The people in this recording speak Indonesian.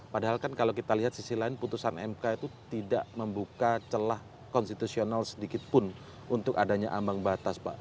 padahal kan kalau kita lihat sisi lain putusan mk itu tidak membuka celah konstitusional sedikitpun untuk adanya ambang batas pak